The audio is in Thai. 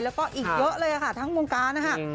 แล้วก็อีกเยอะเลยค่ะทั้งวงการนะคะ